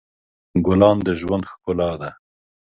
ګلان د ژوند ښکلا ده.